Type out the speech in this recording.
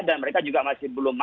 dan mereka juga masih belum maaf